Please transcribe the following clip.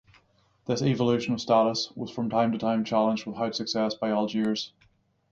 This evolution of status was from time to time challenged without success by Algiers.